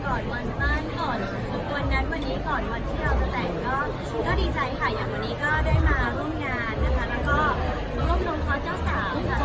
ก็อยากให้ให้มันดูดีกว่าปกติเนาะมณีจังทัศน์